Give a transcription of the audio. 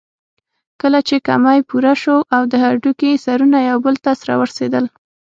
کله چې کمى پوره شو او د هډوکي سرونه يو بل ته سره ورسېدل.